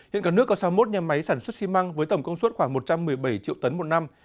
hiện cả nước có sáu mươi một nhà máy sản xuất xi măng với tổng công suất khoảng một trăm một mươi bảy triệu tấn một năm